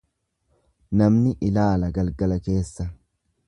Namni ilaala galgala keessa.